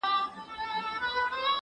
هغه څوک چي پوښتنه کوي پوهه اخلي؟